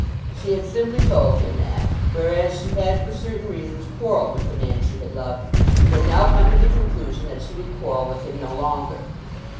She had simply told him that, whereas she had for certain reasons quarrelled with the man she had loved, she had now come to the conclusion that she would quarrel with him no longer.